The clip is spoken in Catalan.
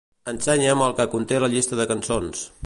Ensenya'm el que conté la llista de cançons.